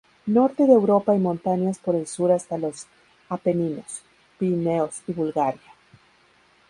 Norte de Europa y montañas por el sur hasta los Apeninos, Pirineos y Bulgaria.